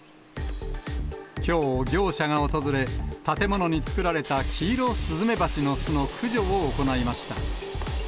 きょう業者が訪れ、建物に作られたキイロスズメバチの巣の駆除を行いました。